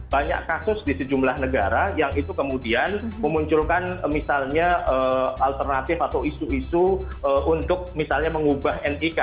banyak kasus di sejumlah negara yang itu kemudian memunculkan misalnya alternatif atau isu isu untuk misalnya mengubah nik